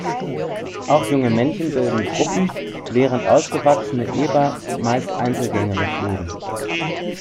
Auch junge Männchen bilden Gruppen, während ausgewachsene Eber meist einzelgängerisch leben.